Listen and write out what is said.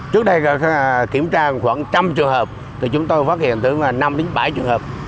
trước đây kiểm tra khoảng một trăm linh trường hợp thì chúng tôi phát hiện từ năm đến bảy trường hợp